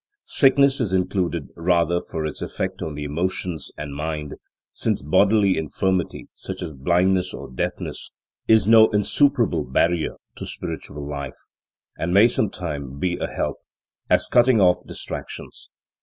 Sickness is included rather for its effect on the emotions and mind, since bodily infirmity, such as blindness or deafness, is no insuperable barrier to spiritual life, and may sometimes be a help, as cutting off distractions.